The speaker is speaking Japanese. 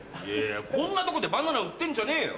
こんなとこでバナナ売ってんじゃねえよ！